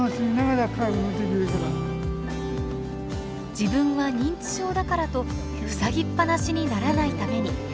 自分は認知症だからとふさぎっぱなしにならないために。